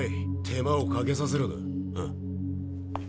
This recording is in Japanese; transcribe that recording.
手間をかけさせるな。